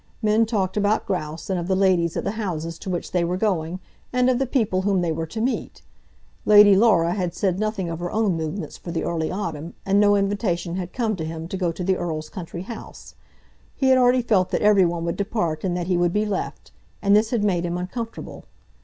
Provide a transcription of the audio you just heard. Men talked about grouse, and of the ladies at the houses to which they were going and of the people whom they were to meet. Lady Laura had said nothing of her own movements for the early autumn, and no invitation had come to him to go to the Earl's country house. He had already felt that every one would depart and that he would be left, and this had made him uncomfortable.